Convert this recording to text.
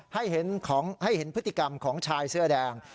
ให้เห็นพฤติกรรมของชายเสื้อแดง